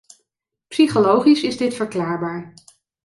Psychologisch is dit verklaarbaar.